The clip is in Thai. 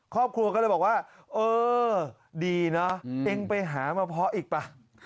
ครอบครัวก็เลยบอกว่าเออดีนะเองไปหามาเพาะอีกป่ะ